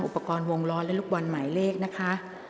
อุปกรณ์วงล้อและลูกบอลหมายเลขนะคะ